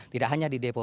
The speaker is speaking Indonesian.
tidak hanya di depok